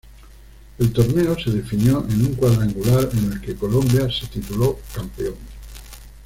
El torneo se definió en un cuadrangular en el que Colombia se tituló campeón.